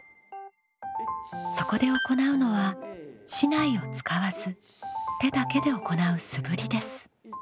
そこで行うのは竹刀を使わず手だけで行う素振りです。